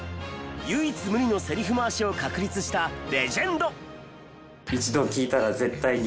唯一無二のセリフ回しを確立したレジェンド。